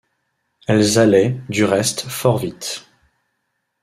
Elles allaient, du reste, fort vite.